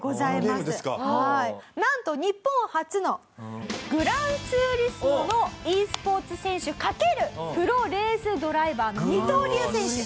なんと日本初の『グランツーリスモ』のｅスポーツ選手掛けるプロレースドライバーの二刀流選手。